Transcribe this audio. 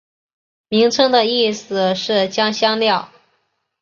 名称的意思是将香料。